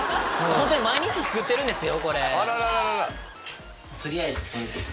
本当に毎日作ってるんですよ。